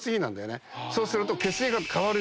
そうすると。